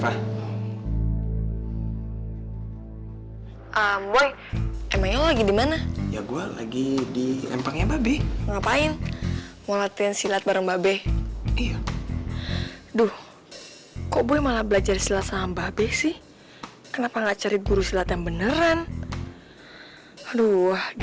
abah makasih abah mau tinggal di sini sama neng